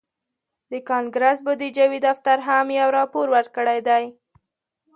د کانګرس بودیجوي دفتر هم یو راپور ورکړی دی